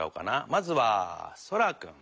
まずはそらくん。